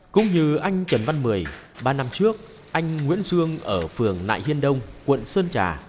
cũng như anh trần văn mười ba năm trước anh nguyễn xuân ở phường nại hiên đông quận sơn trà